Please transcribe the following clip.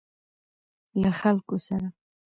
له خلکو سره.